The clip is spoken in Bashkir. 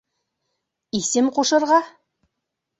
— Исем ҡушырға?